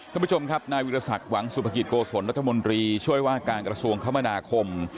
ท่านผู้ชมครับนายวิทยาศักดิ์หวังสุภกิจโกศลรัฐมนตรีช่วยว่าการกระทรวงคมนาคม